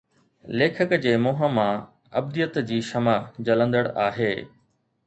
ليکڪ جي منهن مان ابديت جي شمع جلندڙ آهي